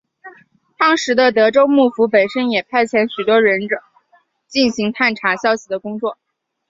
当时的德川幕府本身也派遣许多忍者进行查探消息的工作。